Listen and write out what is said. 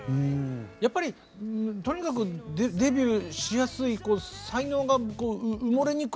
やっぱりとにかくデビューしやすい才能がこう埋もれにくい時代ですよね。